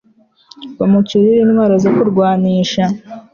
bamucurire intwaro zo kurwanisha